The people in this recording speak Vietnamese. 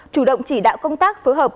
chủ động chỉ đạo công tác phối hợp